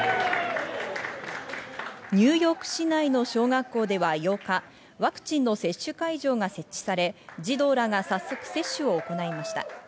ニューヨーク市内の小学校では８日、ワクチンの接種会場が設置され、児童らが早速、接種を行いました。